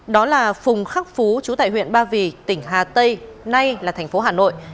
đó là phùng khắc phú chú tại huyện ba vì tỉnh hà tây nay là thành phố hà nội